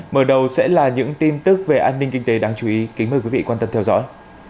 mở đầu sẽ là những tin tức về an ninh kinh tế đáng chú ý kính mời quý vị quan tâm theo dõi